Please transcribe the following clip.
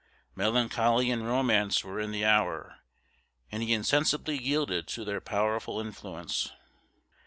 Melancholy and romance were in the hour, and he insensibly yielded to their powerful influence.